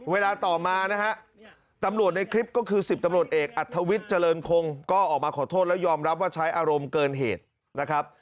เวลาต่อมานะฮะตำรวจในคลิปก็คือ๑๐ตำรวจเอกอัธวิทย์เจริญคงก็ออกมาขอโทษแล้วยอมรับว่าใช้อารมณ์เกินเหตุนะครับ